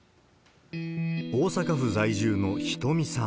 大阪府在住のヒトミさん。